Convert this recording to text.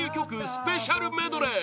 スペシャルメドレー